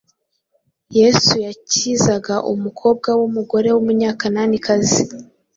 yesu yakizaga umukobwa w’umugore w’umunyakananikazi.